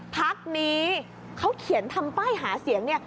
พักนี้เขาเขียนทำป้ายหาเสียงเนี่ย